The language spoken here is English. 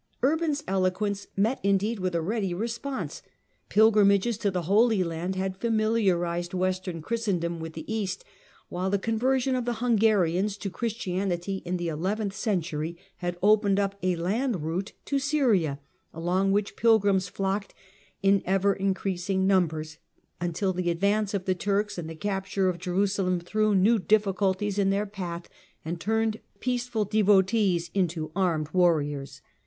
Urban's eloquence met, indeed, with a ready response. Pilgrimages to the Holy Land had familiarized Western Christendom with the East, while the conversion of the Hungarians to Christianity in the eleventh century had opened up a land route to Syria, along which pilgrims flocked in ever increasing numbers, until the advance of the Turks and the capture of Jerusalem threw new diffi culties in their path and turned peaceful devotees into armed warriors.